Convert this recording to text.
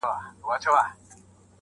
تږي شپې مي پی کړې د سبا په سرابونو کي.!